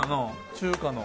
中華の。